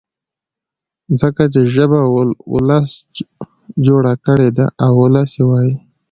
ځکه چي ژبه ولس جوړه کړې ده او ولس يې وايي.